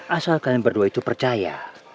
asal kalian berdua itu percaya